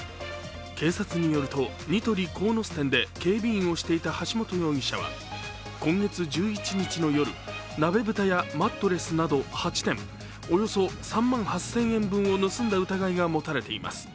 警察によるとニトリ鴻巣店で警備員をしていた橋本容疑者は今月１１日の夜、鍋蓋やマットレスなど８点、およそ３万８０００円分を盗んだ疑いが持たれています。